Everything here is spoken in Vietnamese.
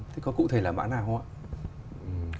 thế có cụ thể là mãn hàng không ạ